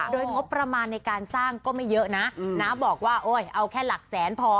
โดยงบประมาณในการสร้างก็ไม่เยอะนะน้าบอกว่าโอ๊ยเอาแค่หลักแสนพอ